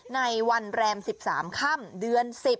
ในวันแรม๑๓ค่ำเดือน๑๐